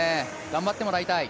頑張ってもらいたい。